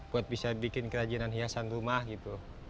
buat bisa bikin kerajinan hiasan rumah gitu